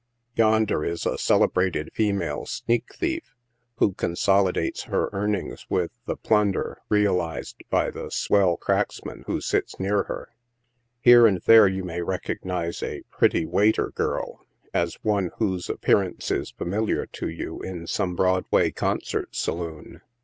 Yonder is a cele brated female " sneak thief," who consolidates her earnings with the plunder " realized" by the swell " cracksman" who sits near her. Here and there you may recognize a " pretty waiter girl," as one whose appearance is familiar to you in some Broadway concert saloon.